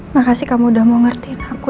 makasih kamu udah mau ngertiin aku